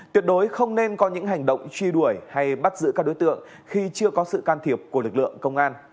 tuyệt đối không nên có những hành động truy đuổi hay bắt giữ các đối tượng khi chưa có sự can thiệp của lực lượng công an